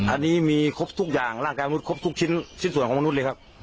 อันนี้มีครบทุกอย่างร่างกายมนุษย์ครบทุกชิ้นส่วนของมนุษย์เลยครับ